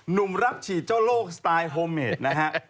หนุ่มรับฉีดเจ้าโลกสไตล์โฮเมดนะฮะ